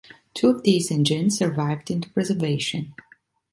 Two of these engines survived into preservation.